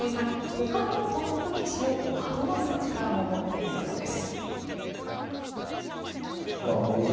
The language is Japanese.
ほかのトップ棋士を惑わす力も持っているようです。